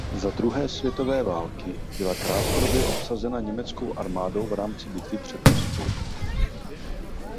Za druhé světové války byla krátkodobě obsazena německou armádou v rámci bitvy před Moskvou.